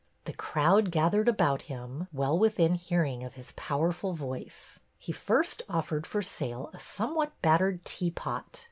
The crowd gath ered about him, well within hearing of his power ful voice. He first offered for sale a somewhat battered teapot.